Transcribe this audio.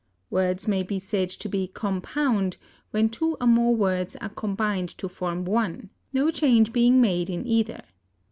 Words may be said to be compound when two or more words are combined to form one, no change being made in either.